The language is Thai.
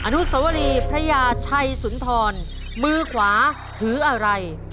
นุสวรีพระยาชัยสุนทรมือขวาถืออะไร